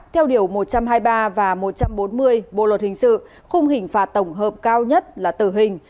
theo điều một trăm hai mươi ba và một trăm bốn mươi bộ luật hình sự khung hình phạt tổng hợp cao nhất là tử hình